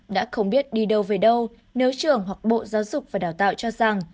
đã không biết đi đâu về đâu nếu trường hoặc bộ giáo dục và đào tạo cho rằng